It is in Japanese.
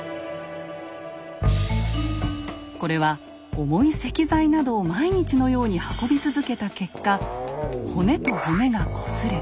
これは重い石材などを毎日のように運び続けた結果骨と骨がこすれ